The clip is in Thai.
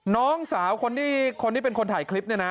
น้องสาวคนที่เป็นคนถ่ายคลิปเนี่ยนะ